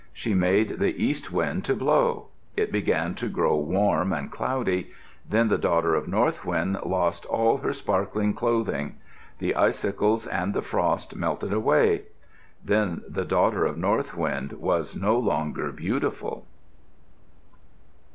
She made the east wind to blow. It began to grow warm and cloudy. Then the daughter of North Wind lost all her sparkling clothing. The icicles and the frost melted away. Then the daughter of North Wind was no longer beautiful.